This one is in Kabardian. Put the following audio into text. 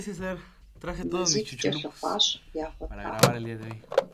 МазитӀкӀэ лъыхъуащ, ягъуэтакъым.